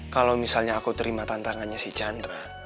kalau misalnya aku terima tantangannya si chandra